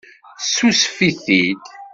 Tessusef-it-id.